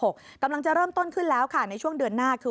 กำลังจะเริ่มต้นขึ้นแล้วค่ะในช่วงเดือนหน้าคือ